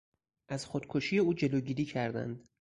از خودکشی او جلوگیری کردند.